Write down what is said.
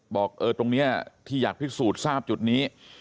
บอกตรงนี้ที่อยากพิสูจน์ทราบจุดนี้